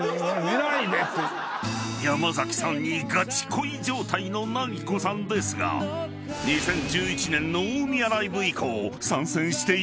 ［山崎さんにガチ恋状態のなぎこさんですが２０１１年の大宮ライブ以降参戦していないそう］